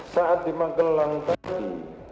saat di magelang tadi